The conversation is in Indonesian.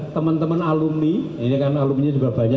teman teman alumni ini kan alumninya juga banyak